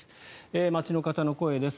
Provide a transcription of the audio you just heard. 街の方の声です。